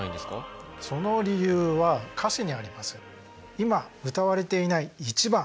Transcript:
今歌われていない１番。